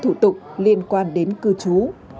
thủ tục liên quan đến cư trú